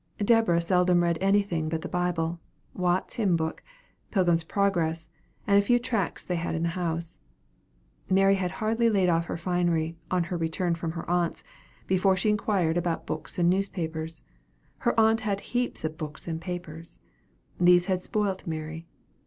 Deborah seldom read anything but the Bible, Watts's Hymn Book, "Pilgrim's Progress," and a few tracts they had in the house. Mary had hardly laid off her finery, on her return from her aunt's, before she inquired about books and newspapers. Her aunt had heaps of books and papers. These had spoilt Mary.